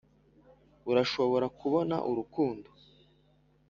urashobora kubona urukundo